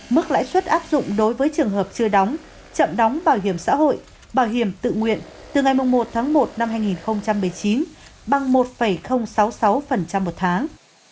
mức lãi suất áp dụng đối với trường hợp chưa đóng chậm đóng bảo hiểm xã hội bảo hiểm tự nguyện từ ngày một tháng một năm hai nghìn một mươi chín bằng một sáu mươi sáu một tháng